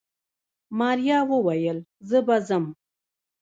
ماريا وويل زه به ځم.